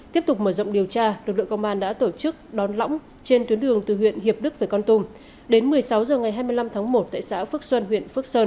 tiếp tục mở rộng điều tra lực lượng công an đã tổ chức đón lõng trên tuyến đường từ huyện hiệp đức về con tum đến một mươi sáu h ngày hai mươi năm tháng một tại xã phước xuân huyện phước sơn